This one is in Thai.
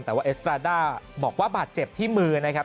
แต่ว่าเอสตราด้าบอกว่าบาดเจ็บที่มือนะครับ